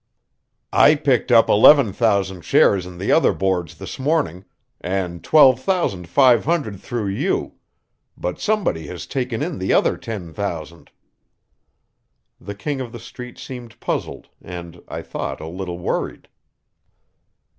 "I picked up eleven thousand shares in the other Boards this morning, and twelve thousand five hundred through you, but somebody has taken in the other ten thousand." The King of the Street seemed puzzled and, I thought, a little worried.